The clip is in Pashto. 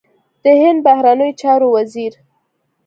د هند بهرنیو چارو وزیر